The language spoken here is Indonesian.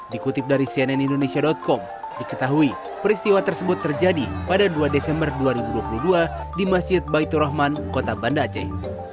dikutip dari cnn indonesia com diketahui peristiwa tersebut terjadi pada dua desember dua ribu dua puluh dua di masjid baitur rahman kota banda aceh